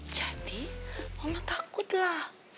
jadi mama takutlah